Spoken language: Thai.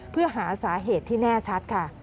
เพื่อหาสาเหตุที่แน่ชัดค่ะ